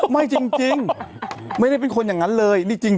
ไม่จริงไม่ได้เป็นคนอย่างนั้นเลยนี่จริง